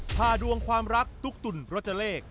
พาดวงความรักตุ๊กตุ๋นรจเลข